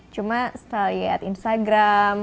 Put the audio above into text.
cuma setelah lihat instagram